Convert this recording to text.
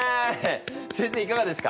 先生いかがですか？